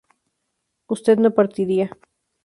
usted no partiría